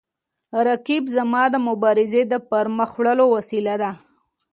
رقیب زما د مبارزې د پرمخ وړلو وسیله ده